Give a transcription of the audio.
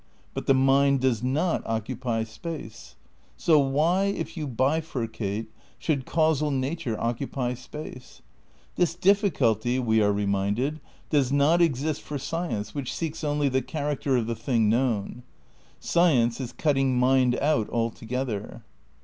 But the mind does not occupy space. So why, if you bifurcate, should causal nature occupy space? This difficulty, we are reminded, does not exist for science which seeks only "the char acter of the thing known. '' Science is cutting mind out altogether.